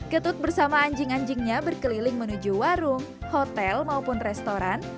ketut bersama anjing anjingnya berkeliling menuju warung hotel maupun restoran